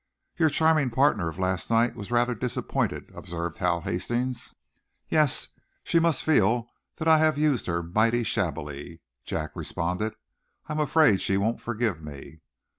"Your charming partner of last night was rather disappointed," observed Hal Hastings. "Yes; she must feel that I have used her mighty shabbily," Jack responded. "I am afraid she won't forgive me."